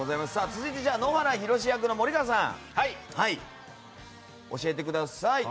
続いて野原ひろし役の森川さん、教えてください。